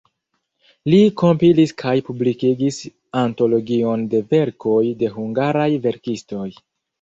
Li kompilis kaj publikigis antologion de verkoj de hungaraj verkistoj.